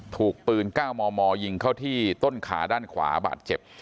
ถูกปืน๙มมยิงเข้าที่ต้นขาด้านขวาบาดเจ็บ